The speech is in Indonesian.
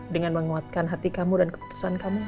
dengan menguatkan hati kamu dan keputusan kamu